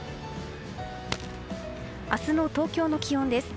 明日の東京の気温です。